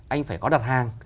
anh phải có đặt hàng